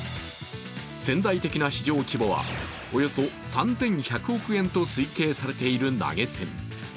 潜在的な市場規模は、およそ３１００億円と推計されている投げ銭。